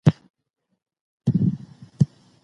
د ژبې مهارتونه د سندرو په وخت کنټرول کېږي.